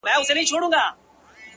• مــروره در څه نـه يمـه ه؛